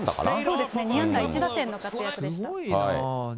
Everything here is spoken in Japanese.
そうですね、２安打１打点の活躍でした。